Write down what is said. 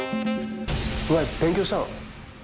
お前勉強したの？